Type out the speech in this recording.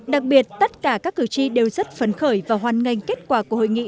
đặc biệt tất cả các cử tri đều rất phấn khởi và hoàn ngành kết quả của hội nghị